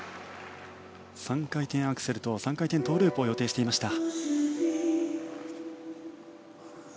３回転アクセルと３回転トウループを予定していました。